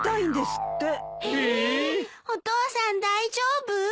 お父さん大丈夫？